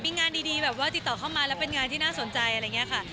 มีงานดีแบบว่าติดต่อเข้ามาแล้วเป็นงานที่น่าสนใจอะไรอย่างนี้ค่ะ